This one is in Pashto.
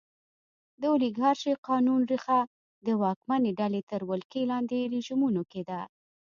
د اولیګارشۍ قانون ریښه د واکمنې ډلې تر ولکې لاندې رژیمونو کې ده.